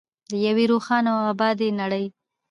د یوې روښانه او ابادې نړۍ.